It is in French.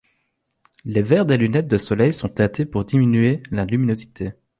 Les verres des lunettes de soleil sont teintés pour diminuer la luminosité.